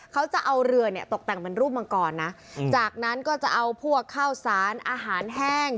เขาจะเอาเรือเนี่ยตกแต่งเป็นรูปมังกรนะจากนั้นก็จะเอาพวกข้าวสารอาหารแห้ง